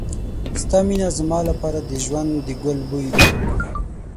ستا مینه زما لپاره د ژوند د ګل بوی دی.